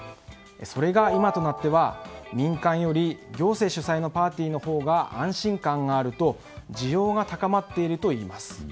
それが今となっては民間より行政主催のパーティーのほうが安心感があると需要が高まっているといいます。